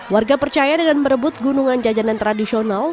warga percaya dengan merebut gunungan jajanan tradisional